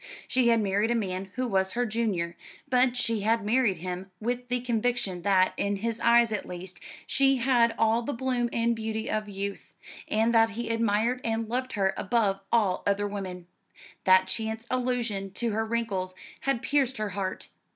She had married a man who was her junior; but she had married him with the conviction that, in his eyes at least, she had all the bloom and beauty of youth, and that he admired and loved her above all other women. That chance allusion to her wrinkles had pierced her heart.